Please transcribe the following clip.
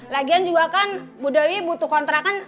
lagian juga kan bu dewi butuh kontrakan